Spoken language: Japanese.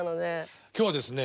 今日はですね